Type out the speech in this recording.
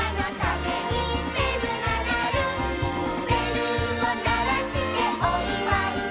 「べるをならしておいわいだ」